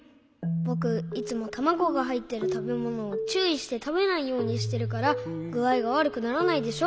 ぼくいつもたまごがはいってるたべものをちゅういしてたべないようにしてるからぐあいがわるくならないでしょ？